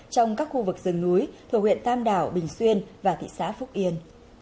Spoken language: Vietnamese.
trong các khu vực rừng núi thuộc huyện tam đảo bình xuyên và thị xã phúc yên